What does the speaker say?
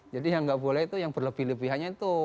jadi yang gak boleh itu yang berlebih lebihannya itu